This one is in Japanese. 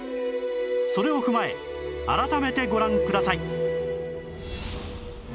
それを踏まえ改めてご覧ください